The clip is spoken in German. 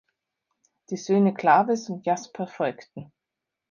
Die Söhne Clawes und Jasper folgten.